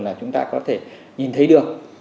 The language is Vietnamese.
là chúng ta có thể nhìn thấy được